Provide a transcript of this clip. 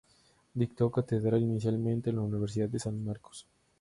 Dictó cátedra inicialmente en la Universidad de San Marcos.